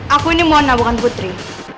aku ini mona bukan putri